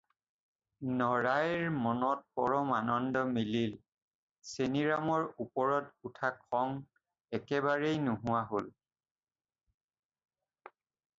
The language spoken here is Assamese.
নৰাইৰ মনত পৰম আনন্দ মিলিল, চেনিৰামৰ ওপৰত উঠা খং একেবাৰেই নোহোৱা হ'ল।